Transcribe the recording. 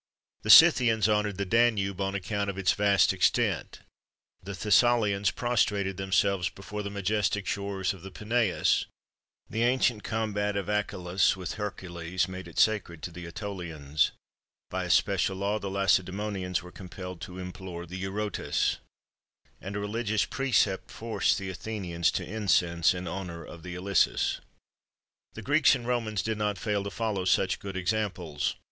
[XXV 5] The Scythians honoured the Danube on account of its vast extent; the Thessalians prostrated themselves before the majestic shores of the Peneus; the ancient combat of Achelous with Hercules made it sacred to the Ætolians; by a special law, the Lacedæmonians were compelled to implore the Eurotas; and a religious precept forced the Athenians to incense in honour of the Ilissus.[XXV 6] The Greeks and Romans did not fail to follow such good examples.